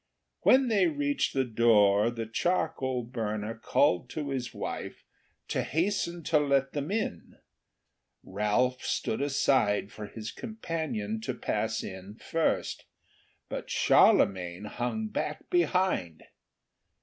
When they reached the door the charcoal burner called to his wife to hasten to let them in. Ralph stood aside for his companion to pass in first, but Charlemagne hung back behind.